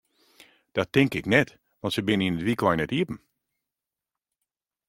Dat tink ik net, want se binne yn it wykein net iepen.